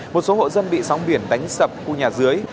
một số hộ dân bị sóng biển đánh sập khu nhà dưới